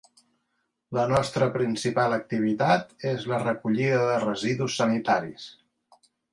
La nostra principal activitat és la recollida de residus sanitaris.